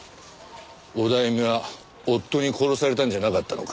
オダエミは夫に殺されたんじゃなかったのか？